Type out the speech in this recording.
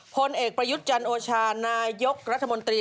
พลเอกประยุทธ์จันโอชานายกรัฐมนตรี